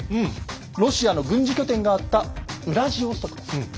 ロシアの軍事拠点があったウラジオストクです。